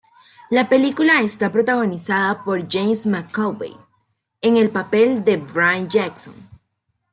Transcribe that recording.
La película está protagonizada por James McAvoy en el papel de Brian Jackson.